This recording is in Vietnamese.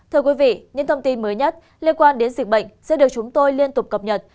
thưa quý vị những thông tin mới nhất liên quan đến dịch bệnh sẽ được chúng tôi liên tục cập nhật